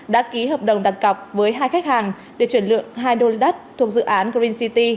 đã ký hợp đồng đặt cọc với hai khách hàng để chuyển lượng hai đô la thuộc dự án green city